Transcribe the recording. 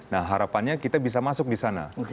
nah harapannya kita bisa masuk di sana